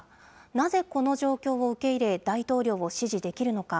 なぜこの状況を受け入れ、大統領を支持できるのか。